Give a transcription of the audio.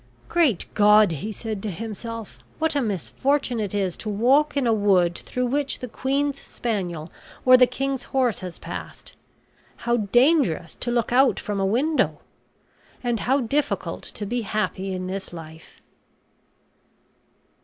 "Great God!" said he to himself, "what a misfortune it is to walk in a wood through which the queen's spaniel or the king's horse has passed! how dangerous to look out at a window! and how difficult to be happy in this life!"